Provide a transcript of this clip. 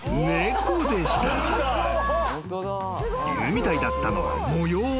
［犬みたいだったのは模様］